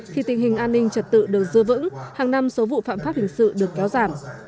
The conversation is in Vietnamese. thì tình hình an ninh trật tự được dư vững hàng năm số vụ phạm pháp hình sự được kéo giảm